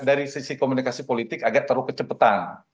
dari sisi komunikasi politik agar terlalu kecepatan